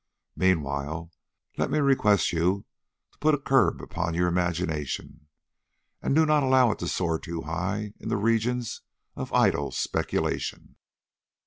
Meanwhile, let me request you to put a curb upon your imagination, and not allow it to soar too high into the regions of idle speculation."